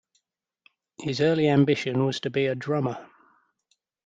His early ambition was to be a drummer.